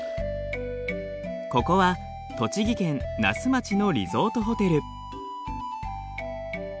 ここは栃木県那須町のリゾートホテル。